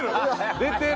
出てる。